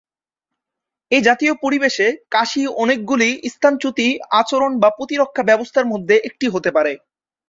এই জাতীয় পরিবেশে, কাশি অনেকগুলি স্থানচ্যুতি আচরণ বা প্রতিরক্ষা ব্যবস্থার মধ্যে একটি হতে পারে।